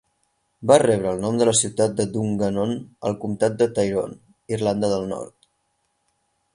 Va rebre el nom de la ciutat de Dungannon al comtat de Tyrone, Irlanda del Nord.